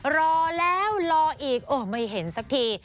รอแล้วรออีกโอ้ไม่เห็นสักที